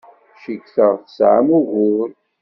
Cukkteɣ tesɛam ugur.